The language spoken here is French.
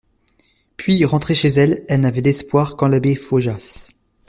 Puis, rentrée chez elle, elle n'avait d'espoir qu'en l'abbé Faujas.